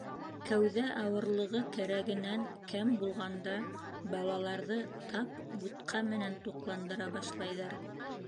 Кәүҙә ауырлығы кәрәгенән кәм булғанда, балаларҙы тап бутҡа менән туҡландыра башлайҙар.